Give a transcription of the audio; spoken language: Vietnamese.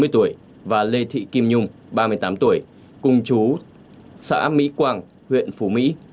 bốn mươi tuổi và lê thị kim nhung ba mươi tám tuổi cùng chú xã mỹ quang huyện phủ mỹ